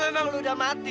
kalau memang lo udah mati